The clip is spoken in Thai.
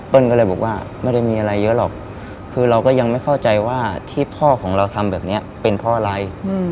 ก็เลยบอกว่าไม่ได้มีอะไรเยอะหรอกคือเราก็ยังไม่เข้าใจว่าที่พ่อของเราทำแบบนี้เป็นเพราะอะไร